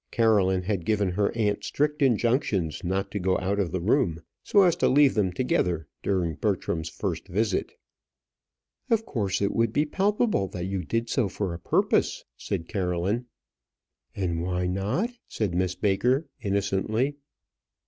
Caroline had given her aunt strict injunctions not to go out of the room, so as to leave them together during Bertram's first visit. "Of course it would be palpable that you did so for a purpose," said Caroline. "And why not?" said Miss Baker, innocently.